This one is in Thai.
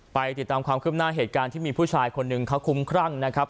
ไปติดตามความคืบหน้าเหตุการณ์ที่มีผู้ชายคนหนึ่งเขาคุ้มครั่งนะครับ